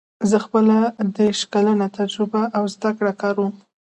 زه خپله دېرش کلنه تجربه او زده کړه کاروم